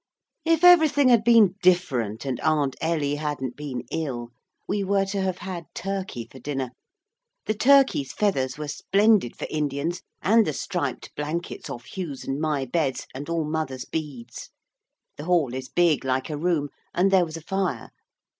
If everything had been different, and Aunt Ellie hadn't been ill, we were to have had turkey for dinner. The turkey's feathers were splendid for Indians, and the striped blankets off Hugh's and my beds, and all mother's beads. The hall is big like a room, and there was a fire.